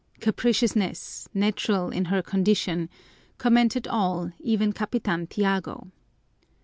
"Capriciousness, natural in her condition," commented all, even Capitan Tiago.